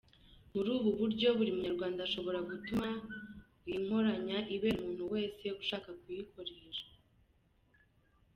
Muri ubu buryo buri Munyarwanda ashobora gutuma iyi nkoranya ibera umuntu wese ushaka kuyikoresha.